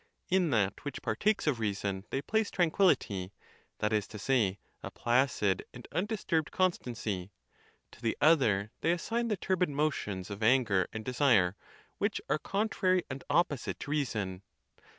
In that which partakes of reason they place tranquillity, that is to say, a placid and undisturbed con stancy; to the other they assign the turbid motions of an ger and desire, which are contrary and opposite to reason.